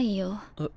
えっ。